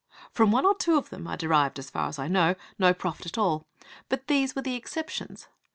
From one or two of them I derived as far as I know, no profit at all. But these were the exceptions.